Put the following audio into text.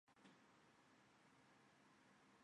可为观赏鱼。